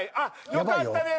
よかったです。